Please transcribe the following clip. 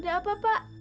ada apa pak